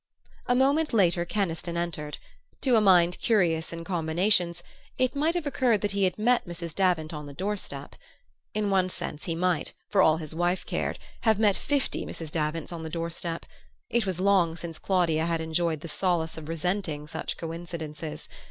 A moment later Keniston entered: to a mind curious in combinations it might have occurred that he had met Mrs. Davant on the door step. In one sense he might, for all his wife cared, have met fifty Mrs. Davants on the door step: it was long since Claudia had enjoyed the solace of resenting such coincidences.